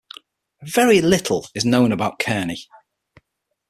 Very little is known about Kearney.